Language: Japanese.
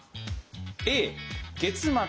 Ａ月末。